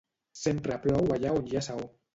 Sempre plou allà on hi ha saó.